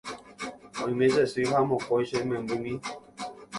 Oime che sy ha mokõi che membymi